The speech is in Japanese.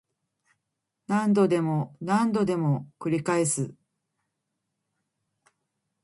何度でも何度でも繰り返す